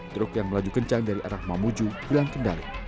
truk yang melaju kencang dari arah mamuju hilang kendali